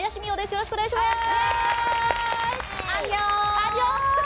よろしくお願いします。